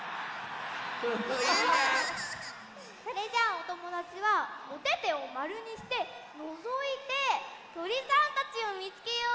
それじゃあおともだちはおててをまるにしてのぞいてとりさんたちをみつけよう！